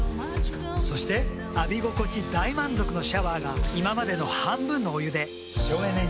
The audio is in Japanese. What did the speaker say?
そして浴び心地大満足のシャワーが今までの半分のお湯で省エネに。